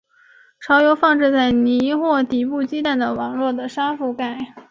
巢由放置在泥或底部鸡蛋的网络的沙覆盖。